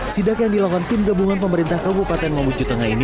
sidak yang dilakukan tim gabungan pemerintah kabupaten mamuju tengah ini